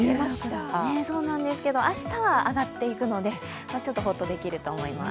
明日は上がっていくのでちょっとほっとできると思います。